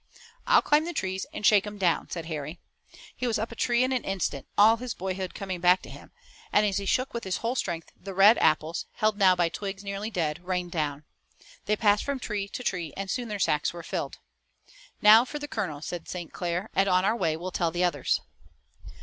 "I'll climb the trees, and shake 'em down," said Harry. He was up a tree in an instant, all his boyhood coming back to him, and, as he shook with his whole strength, the red apples, held now by twigs nearly dead, rained down. They passed from tree to tree and soon their sacks were filled. "Now for the colonels," said St. Clair, "and on our way we'll tell the others."